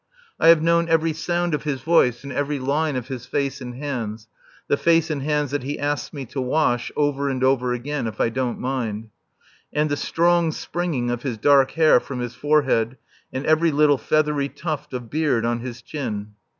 I have known every sound of his voice and every line of his face and hands (the face and hands that he asks me to wash, over and over again, if I don't mind), and the strong springing of his dark hair from his forehead and every little feathery tuft of beard on his chin.